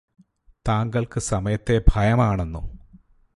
താങ്കള്ക്ക് സമയത്തെ ഭയമാണെന്നോ